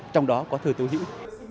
trong đó có thơ tố hữu